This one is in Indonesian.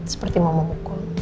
seperti mau memukul